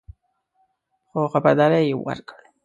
خو خبرداری یې ورکړ